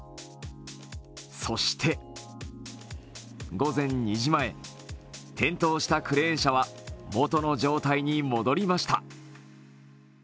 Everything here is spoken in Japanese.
そして午前２時前、転倒したクレーン車はもとの状態に戻りました